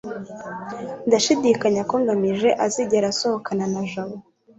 ndashidikanya ko ngamije azigera asohokana na jabo